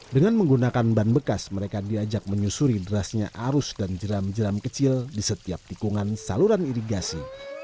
dengan menggunakan ban bekas mereka diajak menyusuri derasnya arus dan jeram jeram kecil di setiap tikungan saluran irigasi